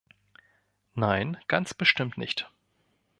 Nein, ganz bestimmt nicht.